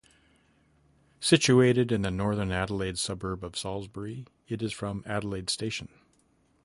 Situated in the northern Adelaide suburb of Salisbury, it is from Adelaide station.